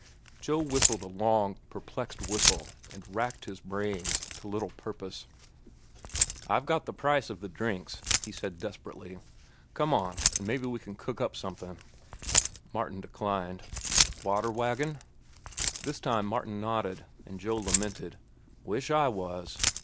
Joe whistled a long, perplexed whistle, and racked his brains to little purpose. "I've got the price of the drinks," he said desperately. "Come on, an' mebbe we'll cook up something." Martin declined. "Water wagon?" This time Martin nodded, and Joe lamented, "Wish I was."